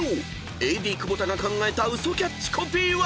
［ＡＤ久保田が考えたウソキャッチコピーは？］